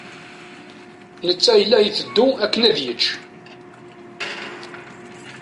Netta ila iteddu akken ad yečč.